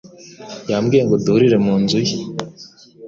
Yambwiye ngo duhurire mu nzu ye.